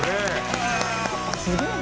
すげえな。